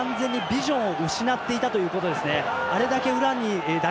今、フィジーは完全にビジョンを失っていたということですね。